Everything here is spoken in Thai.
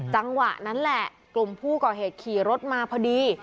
จังหวะนั้นแหละกลุ่มผู้ก่อเหตุขี่รถมาพอดี